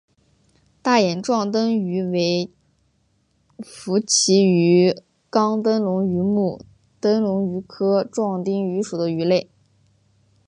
大眼壮灯鱼为辐鳍鱼纲灯笼鱼目灯笼鱼科壮灯鱼属的鱼类。